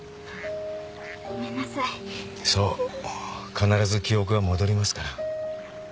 必ず記憶は戻りますから。